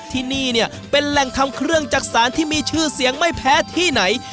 ที่นี่เนี่ยเป็นแหล่งทำเครื่องจักษานที่มีชื่อเสียงไม่แพ้ที่ไหน